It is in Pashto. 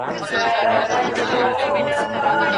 الله ډېر مهربان او بښونکی دی.